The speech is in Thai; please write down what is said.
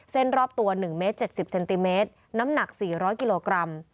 เส้นรอบตัวหนึ่งเมตรเจ็ดสิบเซนติเมตรน้ำหนักสี่ร้อยกิโลกรัม